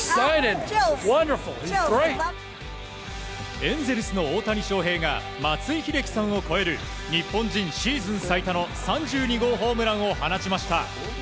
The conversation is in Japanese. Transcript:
エンゼルスの大谷翔平が松井秀喜さんを超える日本人シーズン最多の３２号ホームランを放ちました。